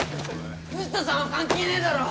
藤田さんは関係ねえだろ！